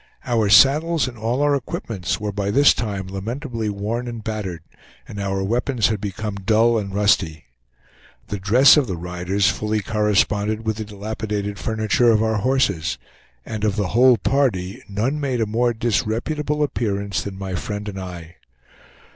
Our saddles and all our equipments were by this time lamentably worn and battered, and our weapons had become dull and rusty. The dress of the riders fully corresponded with the dilapidated furniture of our horses, and of the whole party none made a more disreputable appearance than my friend and I.